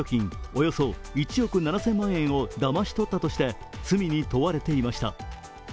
およそ１億７０００万円をだまし取ったとして罪に問われていました。